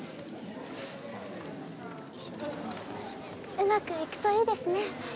うまくいくといいですね。